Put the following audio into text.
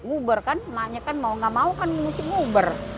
uber kan emaknya mau nggak mau kan mesti uber